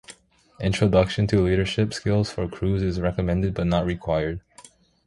Introduction to Leadership Skills for Crews is recommended but not required.